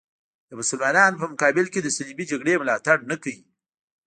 د مسلمانانو په مقابل کې د صلیبي جګړې ملاتړ نه کوي.